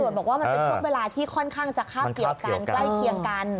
ตรวจบอกว่ามันเป็นช่วงเวลาที่ค่อนข้างจะคาดเกี่ยวกัน